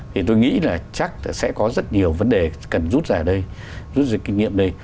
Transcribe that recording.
thì tôi nghĩ là chắc sẽ có rất nhiều vấn đề cần rút ra ở đây rút dịch kinh nghiệm đây